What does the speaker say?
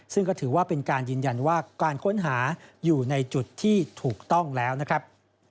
ซึ่งก็ถือว่าเป็นการยืนยันว่าการค้นหาอยู่ในจุดที่ถูกต้องแล้วนะครับ